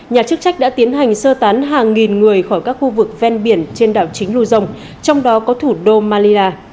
nhà chức trách đã tiến hành sơ tán hàng nghìn người khỏi các khu vực ven biển trên đảo chính luzone trong đó có thủ đô malira